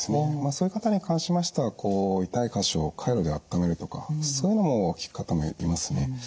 そういう方に関しましては痛い箇所をカイロであっためるとかそういうのも効く方もいますね。